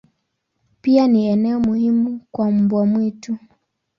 Pia ni eneo muhimu kwa mbwa mwitu.